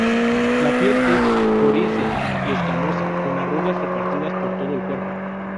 La piel es coriácea y escamosa, con arrugas repartidas por todo el cuerpo.